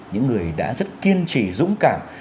những người đã rất kiên trì dũng cảm